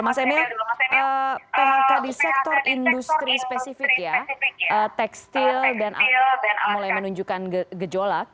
mas emil phk di sektor industri spesifik ya tekstil dan mulai menunjukkan gejolak